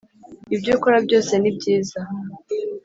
Ibyo ukora byose ni byiza